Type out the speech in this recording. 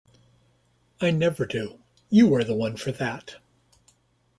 I never do; you are the one for that.